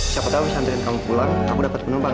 siapa tau bisa anterin kamu pulang aku dapat penumpang